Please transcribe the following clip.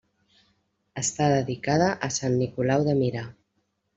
Està dedicada a Sant Nicolau de Mira.